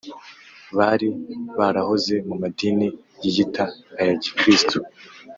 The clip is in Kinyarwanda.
bari barahoze mu madini yiyita aya gikristo